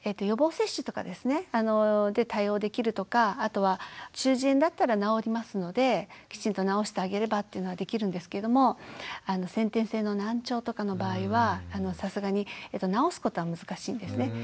予防接種とかで対応できるとかあとは中耳炎だったら治りますのできちんと治してあげればっていうのができるんですけれども先天性の難聴とかの場合はさすがに治すことは難しいんですね。